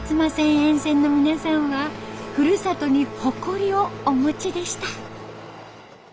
沿線の皆さんはふるさとに誇りをお持ちでした。